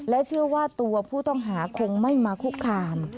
เชื่อว่าตัวผู้ต้องหาคงไม่มาคุกคาม